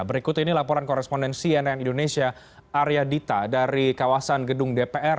berikut ini laporan koresponden cnn indonesia arya dita dari kawasan gedung dpr